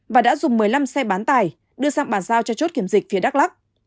và đã dùng một mươi năm xe bán tải đưa sang bàn giao cho chốt kiểm dịch phía đắk lắc